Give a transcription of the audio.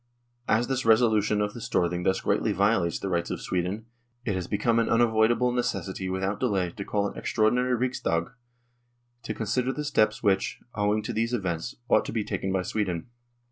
As this reso lution of the Storthing thus greatly violates the rights of Sweden it has become an unavoidable necessity without delay to call an extraordinary Riksdag to consider the steps which, owing to these events, ought to be taken by Sweden.